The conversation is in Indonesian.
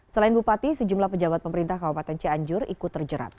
selain bupati sejumlah pejabat pemerintah kabupaten cianjur ikut terjerat